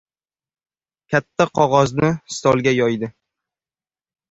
Katta qog‘ozni stolga yoydi.